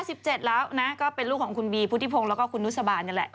๑๗แล้วค่ะ๑๗แล้วนะก็เป็นลูกของคุณบีพุทธิพงฯแล้วก็คุณนุสบาเนี่ยแหละ